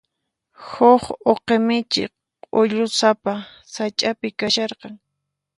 Huk uqi michi k'ullusapa sach'api kasharqan.